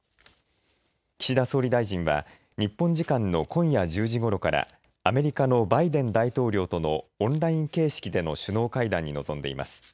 岸田総理大臣は日本時間の今夜１０時ごろからアメリカのバイデン大統領とのオンライン形式での首脳会談に臨んでいます。